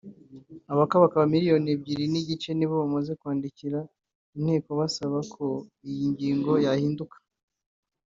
abakabakaba miliyonine ebyeri n’igice nibo bamaze kwandikira Inteko basaba ko iyi ngingo yahinduka